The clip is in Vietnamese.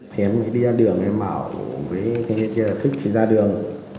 thế em mới đi ra đường em bảo với người thích thì ra đường